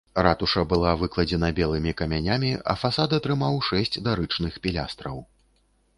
Ратуша была выкладзена белымі камянямі, а фасад атрымаў шэсць дарычных пілястраў.